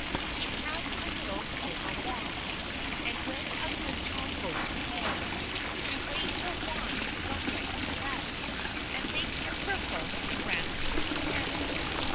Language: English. She has a little silver wand; And when a good child goes to bed, She waves her wand from right to left, And makes a circle round its head.